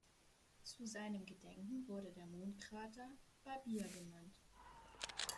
Zu seinem Gedenken wurde der Mondkrater Barbier benannt.